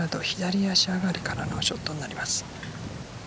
左足上がりからのショットになります。